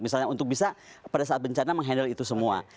misalnya untuk bisa pada saat bencana menghandle itu semua